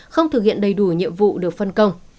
không thực hiện đầy đủ nhiệm vụ được phân công